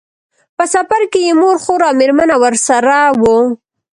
په سفر کې یې مور، خور او مېرمنه ورسره وو.